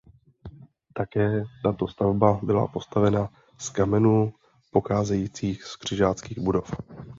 Také tato stavba byla postavena z kamenů pocházejících z křižáckých budov.